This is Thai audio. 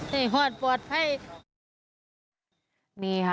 ไหนหอดปลอดภัย